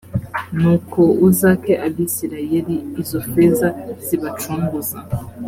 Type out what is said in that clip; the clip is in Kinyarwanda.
nuko uzake abisirayeli izo feza zibacunguza